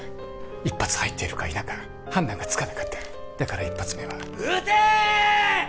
１発入っているか否か判断がつかなかっただから１発目は撃て！